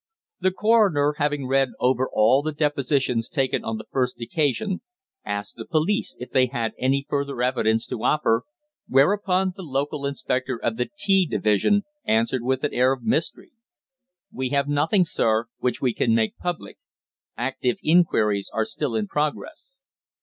The Coroner, having read over all the depositions taken on the first occasion, asked the police if they had any further evidence to offer, whereupon the local inspector of the T Division answered with an air of mystery: "We have nothing, sir, which we can make public. Active inquiries are still in progress."